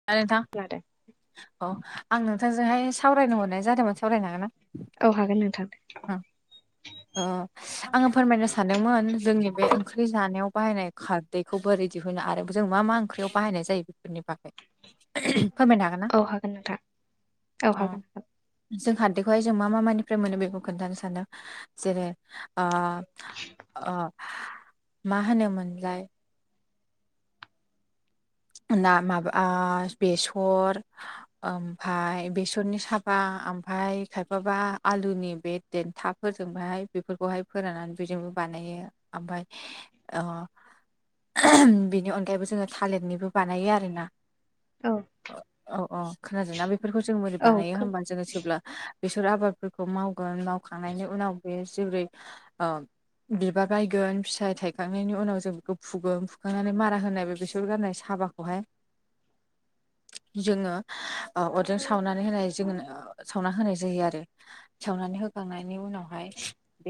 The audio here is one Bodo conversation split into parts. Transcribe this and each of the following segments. [unintelligible] नोंथां खोनादों औ आं नोंथांजोंहाय सावरायनो हरनाय जादोंमोन सावरायनो हागोनना औ हागोन नोंथां ओ आङो फोरमायनो सानदोंमोन जोंनि बे ओंख्रि जानायाव बाहायनाय खारदैखौ बोरै दिहुननो आरो जों मा मा ओंख्रियाव बाहायनाय जायो बेफोरनि बागै [unintelligible] फोरमायनो हागोन‌ ना? औ हागोन नोंथां औ हागोन औ अ जों हारदैखौहाय जों मा मा मानिफ्राय मोनो बेखौ खोन्थानो सानो जेरै ओ ओ मा होनोमोनलाय ना माबा ओ बेसर ओमफ्राय बेसरनि साबा ओमफ्राय खायफाबा आलुनि बे देन्था फोरजोंबहाय बेफोरखौहाय फोराननानै बेजोंबो बानायो ओमफ्राय ओ [unintelligible] बेनि अनगायैबो जोङो थालिरनिबो बानायो आरोना। औ औ औ खोनादों ना बेफोरखौ जों मोरै औ बानायो होमबा जोङो जेब्ला बेसर आबादफोरखौ मावगोन मावखांनायनि उनाव बे जोबोरै ओ बिबार बायगोन फिसाइ थायखांनायनि उनाव जों फुगोन फुखांनानै मारा होनायबो बेसर गारनाय साबाखौ हाय खौहाय जोङो ओ अरजों सावनानै होनाय जोङ सावना होनाय जायो आरो सावनानै होखांनायनि उनावहाय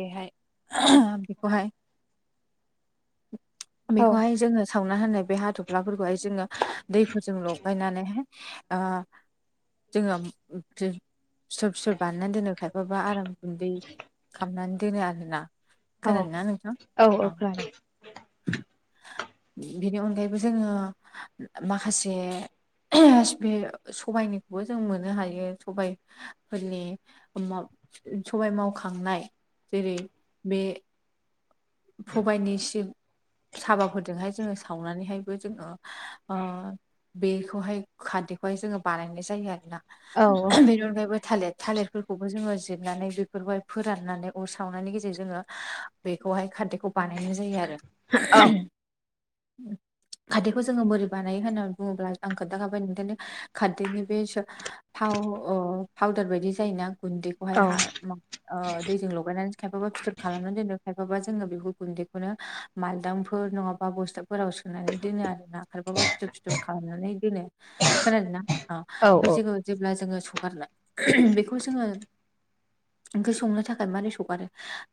बेहाय बेखौहाय [unintelligible] औ बेखौहाय जोङो सावना होननाय बे हाथ'फ्लाफोरखौहाय जोङो दैफोरजों लगायनानैहाय जोंङो फिथर फिथर बाननानै दोनो खायबाबा आराम गुन्दै खालामामनानै दोनो आरोना खानादोंना नोंथां? औ औ अ खोनादों अ बेनि अनगायैबो जोङो ओ माखासे बे सबाइनिखौबो जों मोननो हायो सबायफोरनि ओम मा सबाय मावखांनाय जेरै बे फबाइनिसिम साबाफोरजोंहाय जोङो सावनानैहायबो जोङो ओ बेखौहाय खारदैखौहाय जोङो बानायनाय जायो आरोना औ बेनि अनगायैबो थालिर थालिर बो जोङो जिरनानै बेफोरखौहाय फोराननानै अर सावनायनि गेजेरजों जोङो बेखौहाय खारदै खौ बानायनाय जायो आरो। औ [unintelligible] खारदैखौ जोङो बोरै बानायो होननानै बुङोब्ला आं खोन्थाखाबाय ओंखायनो खारदैनि बे थाव ओ पावदार बायदि जायोना गुन्दै बेहाय औ हा ओ दैजों लगायनानै खायफाबा फिथोर खालामनानै दोनो थायफाबा जोङो बेफोर गुन्दैखौनो मालदांफोर नङाबा बस्थु फोराव सोनानै दोनो आरो ना खायफाबा फिथोब फिथोब खालामनानै दोनो। खोनादोंना औ ओमफ्राय जोङो जेब्ला जोङो सुगारला [unintelligible] बेखौ जोङो ओंख्रि संनो थाखाय मारै सगारो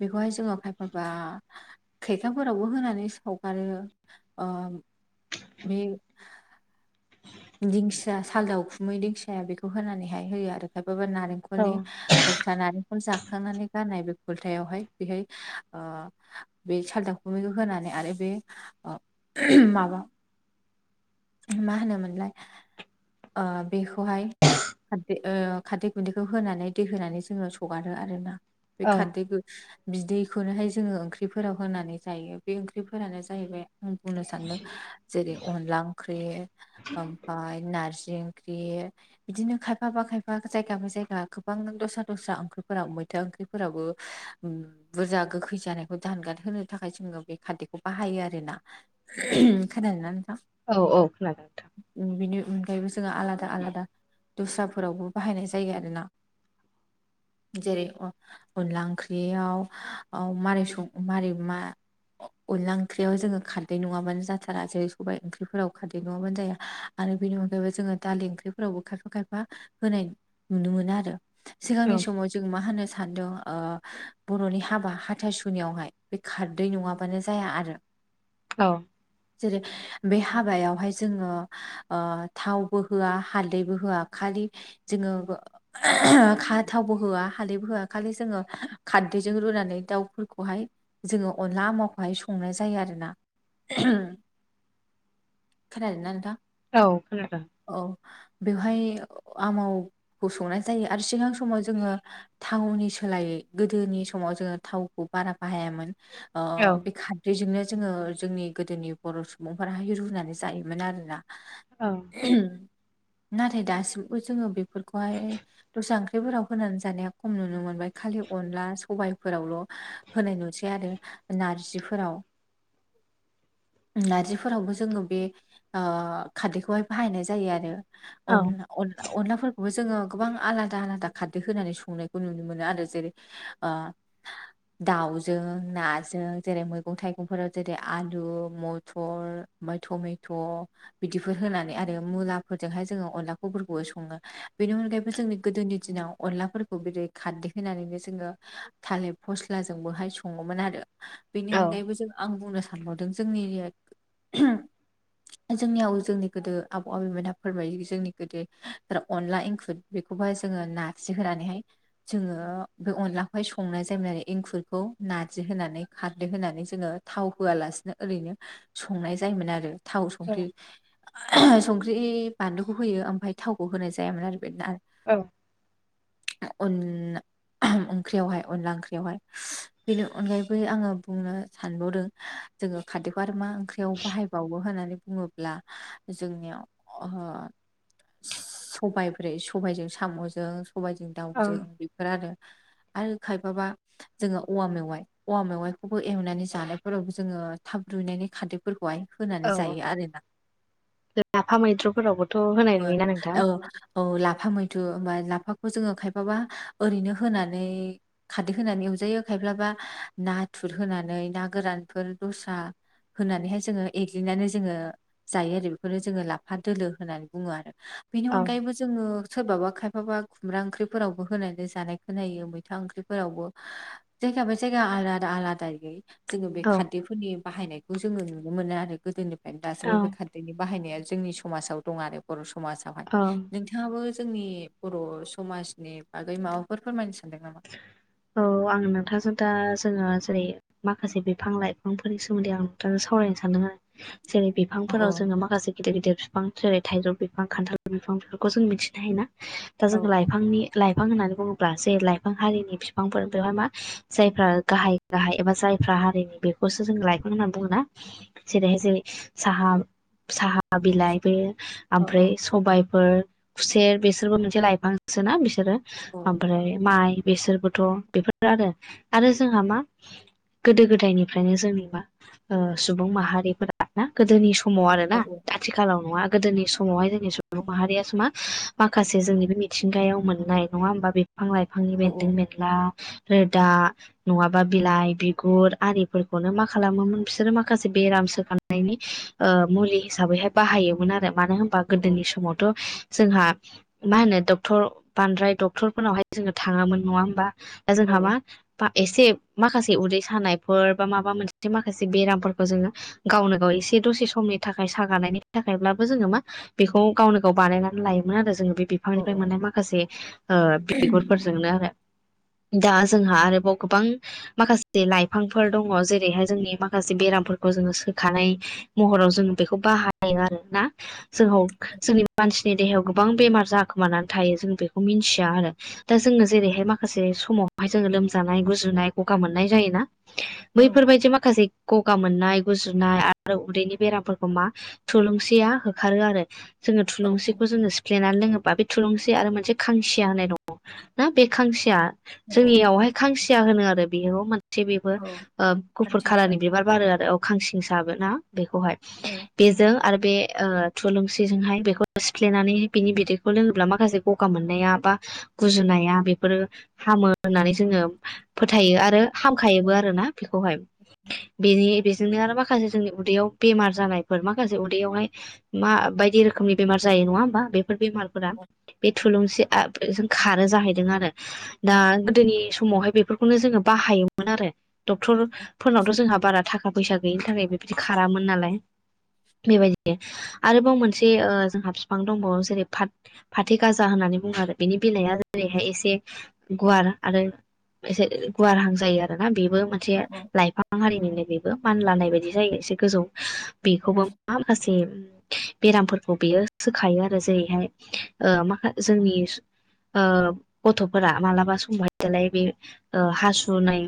बेखौहाय जोङो माबा खैखाफोरावबो होनानै सावगारो ओ बे दिंखिया सालदाखुमै दिंखया बेखौ होनानैहाय होयो आरो खायफाबा नारेंखलनि खलथा नारिेंखल जाखांनानै गाननाय बे खल्थायावहाय बेहाय ओ बे सालदांखुमैखौ होनानै आरो बे ओ [unintelligible] माबा मा होनोमोनलाय ओ बेखौहाय खारदै ओ खारदै गुन्दैखौ होनानै दै होनानै जोङो सगारो आरो ना बे खारदै खो बिदैखौनोहाय जोङो ओंख्रिफोराव होनानै जायो बे ओंख्रिफोरानो जाहैबाय बुंनो सानदों जेरै अनला ओंख्रि ओमफ्राय नारजि ख्रि बिदिनो खायफा बा खायफा जायगा बा जायगा गोबां नों दस्रा दस्रा ओंख्रिफोराव मैथो ओंख्रि फोरावबो बुरजा गोखै जानायखौ दानगार होनो थाखाय जोङो बे खारदैखौ बाहायो आरो ना खोनादों ना नोंथां औ औ खोनादों नोंथां उ बिनि अनगायैबो जोंहा आलादा आलादा दस्राफोरावबो बाहायनाय जायो आरोना जेरै अनला ओंख्रियाव मारै सं मारै मा अनला ओंख्रियाव जोङो खारदै नङाबानो जाथारा जेरै सबाय ओंख्रिफोराव खारदै नङाबानो जाया आरो बेनि अनगायैबो जोङो दालि ओंख्रिफोरावबो खायफा खायफा होनाय नुनो मोनो आरो सिगांनि समाव जों मा होनो सानदों बर'नि हाबा हाथासुनियावहाय बे खारदै नङा बानो जाया आरो औ जेरै बे हाबायावहाय जोङो थावबो होआ हालदैबो होआ खालि जोङो खा थावबो होआ हालदैबो होआ खालि जोङो खारदैजों रुनानै दाउफोरखौहाय जोङो अनला आमावखौहाय संनाय जायो आरोना खोनादों ना नोंथां औ खोनादों औ बेवहाय आमावखौ संनाय जायो आरो सिगां समाव जोङो थावनि सोलायै गोदोनि समाव जोङो थावखौ बारा बाहायामोन औ बे खारादैजोंनो जोङो जोंनि गोदोनि बर' सुबुंफोराहाय रुनानै जायोमोन आरोना औ नाथाय दासिमबो जोङो बे फोरखौहाय दस्रा ओंख्रिफोराव होनानै जानाय खम नुनो मोनबाय खालि अनला सबायफोरावल' होनाय नुसै आरो नारजिफोराव नारजिफोरावबो जोङो बे ओ खारदैखौहाय बाहायनाय जायो आरो अनलाफोर खौबो जोङो गोबां आलादा आलादा खारदै होनानै संनायखौ नुनो मोनो आरो जेरै ओ दाउजों नाजों जेरै मैगं थाइगंफोराव जेरै आलु मथर ओमफ्राय टमेट' बिदिफोर होनानै आरो मुलाफोरजोंहाय जोङो अनलाखौफोरखौबो सङो बेनि अनगायैबो जोंनि गोदोनि दिनाव अनलाफोरखौ गोदो खारदै होनानैनो जोङो थालिर फस्लाजों बहाय सङोमोन आरो बेनि अनगायैबो जों आं बुंनो सानबावदों जोंनि जोंनियाव जोंनि गोदो आबौ आबैमोनहा फोरमायो जोंनि गोदो अनला एंखुर बेखौहाय जोङो नारजि होनानैहाय जोङो बे अनलाखौहाय संनाय जायोमोन आरो एंखुरखौ नारजि होनानै खारदै होनानै जोङो थाव होआलासिनो ओरैनो संनाय जायोमोन आरो थाव संख्रि संख्रि बानलुखौ होयो ओमफ्राय थावखौ होनाय जायामोन आरो बे औ अनला ओंख्रियावहाय अनला ओंख्रियावहाय बेनि अनगायैबो आङो बुंनो सानबावदों जोङो खारदैखौ आरो मा ओंख्रियाव बाहायबावो होननानै बुङोब्ला जोंनियाव ओ सबाब्रे सबायजों साम'जों सबायजों औ दाउजों बेफोर आरो आरो खायफाबा जोङो औवा मेवाइ औवा मेवाइखौबो एवनानै जानायफोराव जोङो थाब रुयनायनि खारदैफोरखौहाय होनानै औ जायो आरोना लाफा मैद्रुफोरावबोथ' होनाय औ नुयोना नोंथां औ लाफा मैथ्रु बा लाफाखौ जोङो खायफाबा ओरैनो होनानै खारदै होनानै एवजायो खायफाबा नाथुर होनानै ना गोरानफोर दस्रा होनानैहाय जोङो एग्लिनानै जोङो जायो आरो बेखौनो जोङो लाफा दोलो होननानै बुङो आरो बेनि अनगायैबो जोङो सोरबाबा खायफाबा खुमब्रा ओंख्रिफोरावबो होनानै जानायखौ नायो मैथा ओंख्रिफोरावबो हा जायगा बा जायगा आलादा आलादा गो जोङो बे औ खारदैफोरनि बाहायनायखौ जोङो नुनो मोनो आरो गोदोनिफ्रायनो औ दासिमबो बे खारदै खारदैनि बाहायनाया जोंनि समाजाव दं आरो बर' समाजाव अ नोंथाङाबो जोंनि बर' समाजनि बागै माबाफोर फोरमायनो सानदों नामा औ आं नोंथांजों दा जोङो जेरै माखासे बिफां लाइफांफोरनि सोमोन्दै आं नोंथां सावरायनो सानदों आरो जेरै औ बिफांफोराव जोङो माखासे गेदेर गेदेर बिफां जेरै थाइजौ बिफां खान्थाल बिफां बेफोरखौ जों मिथिनो हायो ना दा औ जों लाइफांनि लाइफां होन्नानै बुङोब्ला जे लाइफां बिफां हारिनि बिफांफोर बेवहाय मा जायफ्रा गाहाय गाहाय एबा जायफ्रा हारिनि बे बेखौसो जों लायफां होनना बुङोना जेरैहाय जेरै साहा साहा बिलाइ बे औ आमफ्राय सबायफोर खुसेर बिसोरबो मोनसे लाइफांसोना बिसोरो औ आमफ्राय माइ बेसोरबोथ' बेफोर आरो आरो जोंहा मा गोदो गोदायनिफ्रायनो जोंनि मा ओ‌ सुबुं माहारिफोरा दा गोदोनि समाव आरो ना औ आथिखालाव नङा गोदोनि समावहाय जोंनि सुबुं' माहारिख सो मा माखासे जोंनि बे मिथिंगायाव मोननाय नङा होमबा बिफां लाइफांनि औ बेन्दों बेनला हो रोदा नङाबा बिलाइ बिगुर आरिफोरखौनो मा खालामोमोन बिसोरो माखासे बेराम सोखानो हानायनि ओ मुलि हिसाबैहाय बाहायोमोन आरो मानो होन होनबा गोदोनि समावथ' जोंहा मा होनो डक्टर बांद्राय डक्टरफोरनावहाय जोङो थाङामोन नङा होमबा दा औ जोंहा मा बा एसे माखासे उदै सानायफोर बा माबा मोनसे माखासे बेरामफोरखौ जोङो गावनो गाव एसे दसे समनि थाखाय सागानायनि थाखायब्लाबो जोङो मा बेखौ गावनो गाव बानायनानै लायोमोन आरो जोङो बे औ बिफांनिफ्राय मोननाय माखासे ओ जोंनो आरो दा जोंहा आरोबाव गोबां माखासे लाइफांफोर दङ जेरैहाय जोंनि माखासे बेरामफोरखौ जोङो सोखानाय महराव जोंङो बेखौ बाहायो आरो ना जोहौ जोंनि मानसिनि देहायाव गोबां बेमार जाखोमानानै थायो जों बेखौ मिनथिआ आरो दा जोङो जेरैहाय माखासे समावहाय जोङो लोमजानाय गुजुनाय ग'गा मोननाय जायोना बैफोरबादि माखासे ग'गा मोननाय गुजुनाय आरो उदैनि बेरामफोरखौ मा थुलुंसिआ होखारो आरो जोङो औ थुलुंसिखौ जोङो सिफ्लेनानै लोङोबा बे थुलुंसि आरो मोनसे खांसिआ होननाय दङो औ ना बे खांसिआ औ जोंनिआवहाय खांसिआ होनो आरो बेयाव मा थिक बेबो औ ओ गुफुर खानसिंसा खालारनि बिबार बारो आरो औ खांसिंसा आबो ना बेखौहाय औ बेजों आरो बे ओ थुलुंसिजोंहाय बेखौ सिफ्लेनानै बिनि बिदैखौ लोङोब्ला माखासे ग'गा मोननायाबा गुजुनाया बेफोरो हामो होननानै जोङो फोथायो आरो औ हामखायोबो आरो ना बेखौहाय बेनि बेजोंनो आरो माखासे जोंनि उदैआव बेमार जानायफोर माखासे उदैयावहाय मा बायदि रोखोमनि बेमार जायो नङा होमबा बेफोर बेमार फोरा औ बे थुलुंसि आ बेजों खारो जाहैदों आरो दा औ गोदोनि स समावहाय बेफोरखौनो जोङो बाहायोमोन आरो डक्टर फोरनावथ' जोंहा बारा थाखा थाखा फैसा गैयिनि थाखाय बिदि खारामोन नालाय बेबायदि आरोबाव मोनसे ओ जोंहा बिफां दंबावो जेरै फाथै गाजा होननानै बुङो आरो बेनि बिलाया ओरैहाय एसे गुवार आरो एसे गुवारहां जायो आरो ना बेबो। मोनसे औ औ लाइफां हारिनिनो बेबो मानलानाय बायदि जायो एसे गोजौ बेखौबो मा खासे बेरामफोरखौ बेयो सोखायो आरो जेरैहाय ओ माखा जोंनि। ओ गथ'फोरा मालाबा समावहाय दालाय बे हासुनाय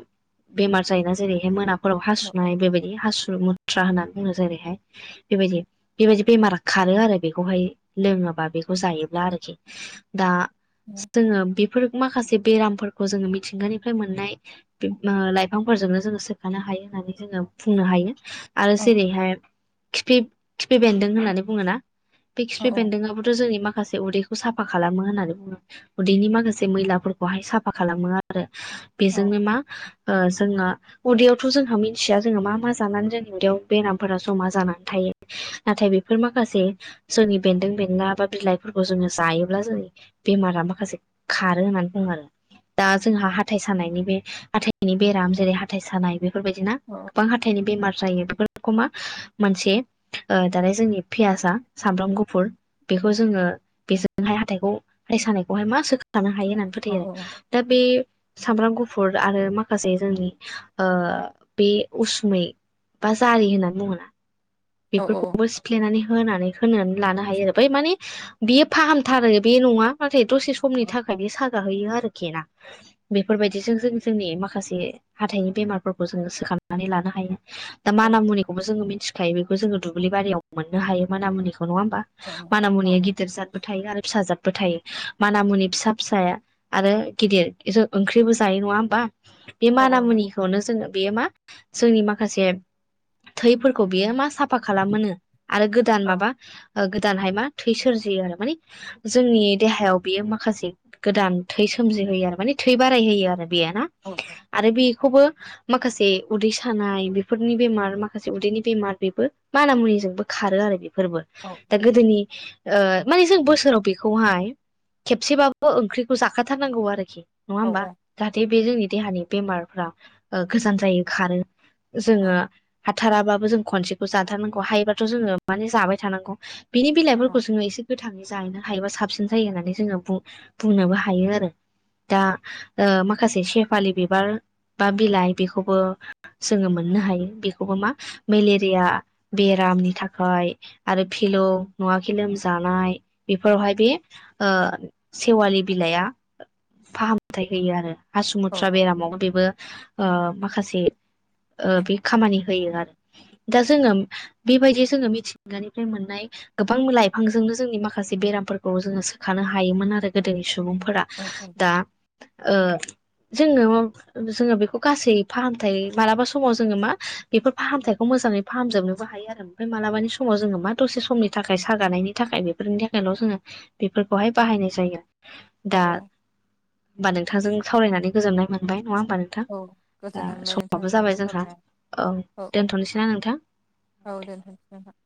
बेमार जायोना जेरैहाय मोनाफोराव औ औ हासुनाय बेबायदि हासु मुथ्रा होननानै बुङो जेरैहाय। बेबायदि बेबायदि बेमारा खारो आरो बेखौहाय लोङोबा बेखौ जायोब्ला आरोखि दा जोङो बेफोर माखासे बेरामफोरखौ जोङो मिथिंगानिफ्राय मोननाय। ओ लाइफांफोरजोंनो जोङो सोखानो हायो होननानै जोङो बुंनो हायो। आरो जेरैहाय खिफि खिफि बेन्दों होननानै बुङोना बे किफि बेन्दोंआबोथ' जोंनि माखासे उदैखौ साफा खालामो होननानै बुङोब्ला। उदैनि माखासे मैलाफोरखौहाय साफा खालामो आरो औ बेजोंनो मा। ओ जोंहा उदैयावथ' जोंहा मिन्थिया जोङो मा मा जानानै जोंनि उदैयाव बेरामफोरा ज'मा जानानै थायो। नाथाय बेफोर माखासे जोंनि बेन्दों बेनला बा बिलाइफोरखौ जोङो जायोब्ला जों। बेमारा माखासे खारो होननानै बुङो आरो दा जोंहा हाथाइ सानायनि बे हाथाइनि बेराम जेरै हाथाइ सानाय बेफोरबायदि ना अ गोबां हाथाइनि बेमार जायो बेफोरखौमा मोनसे ओ दानाय जोंनि पियासा सामब्राम गुफुर बेखौ जोङो बेजोंहाय हाथाइखौ हाथाइ सानायखौहाय मा सोनो हायो होननानै फोथायो आरो। दा बे सामब्राम गुफुर आरो माखासे जोंनि ओ बे उसुमै बा जारि होननानै बुङोना बेफोरखौबो थुफ्लेनानै होनानै होनानै लानो हायो आरो बै माने बेयो फाहामथारो बे नङा नाथाय दसे। समनि थाखाय बे सागाहोयो आरोखि ना बेफोरबायदिजों जों जोंनि माखासे हाथायनि बेमारफोरखौ जोङो सोखांनानै लानो हायो। दा मान मुनिखौबो जोङो मिथिखायो बेखौ जोङो दुब्लि बारियाव मोननो हायो मानामुनिखौ नङा होमबा? औ मानामुनिया गिदिर जादबो थायो आरो फिसाजादबो थायो मानामुनि फिसा फिसाया आरो गिदिर ओंख्रिबो जायो नङा होमबा? बे औ माना नों मुनिखौनो जोङो बेयो मा जोंनि माखासे थैफोरखौ बेयो मा सा साफा खालामोनो आरो गोदान औ माबा गोदानहाय मा थै सोरजियो आरो माने। जोंनि देहायाव बियो माखासे गोदान थै सोमजिहोयो आरो माने। थै बारायहोयो आरो बेयो ना। औ औ आरो बेखौबो माखासे उदै सानाय बेफोरनि बेमार माखासे उदैनि बेमार बेबो माना मुनिजोंबो खारो आरो बेफोरबो दा गोदोनि ओ माने जों बोसोराव बेखौहाय खेबसेबाबो ओंख्रिखौ जाखाथारनांगौ आरोखि नङा औ होमबा जाहाथे बे जोंनि देहानि बेमारफ्रा गोजान जायो खारो जोङो हाथाराबाबो जों खनसेखौ जाथारनांगौ हायोबाथ' जोङो माने जाबाय थानांगौ बिनि औ बिलाइफोरखौ जोङो एसे गोाङै जाहैनो हायोबा साबसिन जायो होननानै जोङो बुंनोबो हायो आरो दा ओ माखासे सेफालि बिबार बा बिलाइ बेखौबो जोङो मोननो हायो बेखौबो मा मेलेरिया या बेरामनि थाखाय आरो फिलौ नङाखै लोमजानाय बेफोरावहाय बे ओ सेवालि बिलाइआ फाहामथाय होयो आरो हासुमुथ्रा औ बेरामाव बेबो ओ माखासे बे खामानि होयो आरो दा जोङो बेबायदि जोङो मिथिंगानिफ्राय मोननाय गोबां लाइफांजोंनो जोंनि माखासे बेरामफोरखौ जोङो सोखानो हायोमोन आरो गोदोनि सुबुंफोरा औ दा ओ जोङो जोङो बेखौ गासै फाहामथाय मालाबा समाव जोङो मा बेफोर फाहामथाय बेखौ मोजाङै फाहामजोबनोबो हायो आरो ओमफ्राय मालाबानि समाव जोङो मा दसे समनि थाखाय सागानायनि थाखाय बे बेफोरनि थाखायल' जोङो बेफोरखौहाय बाहायनाय जायो। औ दा होमबा नोंथांजों सावरायनानै गोजोननाय मोनबाय नङा होमबा नों नोंथां औ दा गोजोननाय मोनबाय समाबो नोंथांजों जाबाय जोंहा सावरायनानै औ दोनथ'नोसै ना नोंथां औ दोनथसै नोंथां।